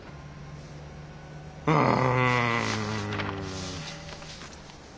うん。